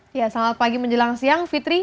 selamat pagi menjelang siang fitri